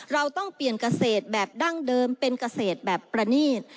เราต้องเปลี่ยนเกษตรแบบดั้งเดิมเป็นเกษตรแบบประนีต